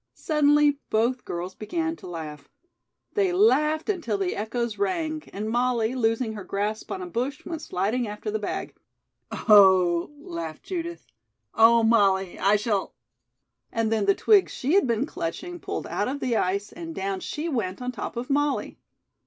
Suddenly both girls began to laugh. They laughed until the echoes rang, and Molly, losing her grasp on a bush, went sliding after the bag. "Oh," laughed Judith, "oh, Molly, I shall " and then the twigs she had been clutching pulled out of the ice and down she went on top of Molly.